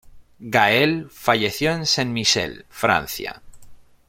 Gaël falleció en Saint-Michel, Francia.